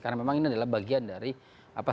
karena memang ini adalah bagian dari apa